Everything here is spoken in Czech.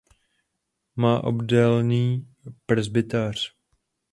Má obdélný presbytář.